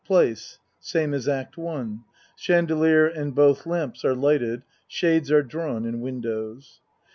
Place Same as Act I. Chandelier and both lamps are lighted shades are drawn in windows.